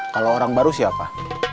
kalau orang baru siapa